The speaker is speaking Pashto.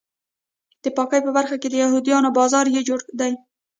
د پاکۍ په برخه کې د یهودیانو بازار بې جوړې دی.